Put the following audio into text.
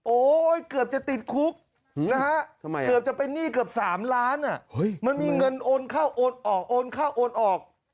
โอ้ยเกือบจะติดคุกนะฮะเกือบจะไปนี่เกือบสามล้านมันมีเงินโอนเข้าโอนออก